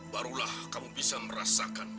barulah kamu bisa merasakan